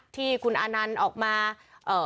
ที่คุณอานันต์ออกมาเอ่อ